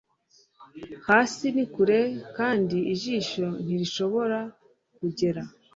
Hasi ni kure kandi ijisho ntirishobora kugera